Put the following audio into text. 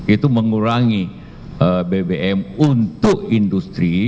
itu mengurangi bbm untuk industri